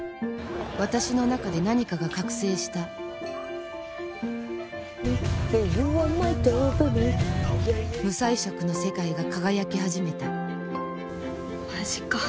私の中で何かが覚醒した無彩色の世界が輝き始めたマジか。